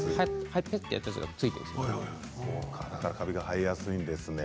カビが生えやすいんですね。